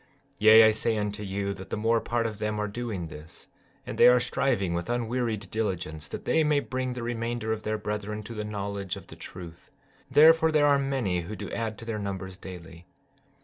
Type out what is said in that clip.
15:6 Yea, I say unto you, that the more part of them are doing this, and they are striving with unwearied diligence that they may bring the remainder of their brethren to the knowledge of the truth; therefore there are many who do add to their numbers daily.